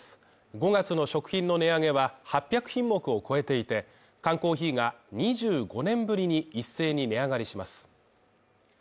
５月の食品の値上げは８００品目を超えていて、缶コーヒーが２５年ぶりに一斉に値上がりします。